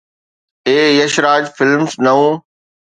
اي يش راج فلمز نئون